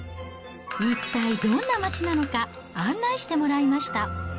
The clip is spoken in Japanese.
一体どんな街なのか、案内してもらいました。